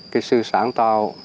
cái sự sáng tạo